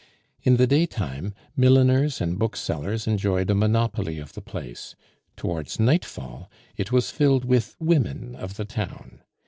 In the daytime milliners and booksellers enjoyed a monopoly of the place; towards nightfall it was filled with women of the town.